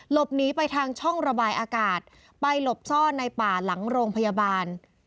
หลบหนีไปทางช่องระบายอากาศไปหลบซ่อนในป่าหลังโรงพยาบาล